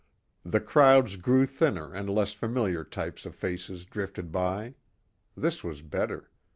The crowds grew thinner and less familiar types of faces drifted by. This was better.